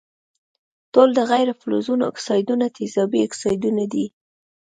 ټول د غیر فلزونو اکسایدونه تیزابي اکسایدونه دي.